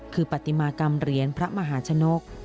คือปฏิมากรรมเหรียญพระมหาชนก